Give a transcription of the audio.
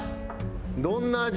どんな味？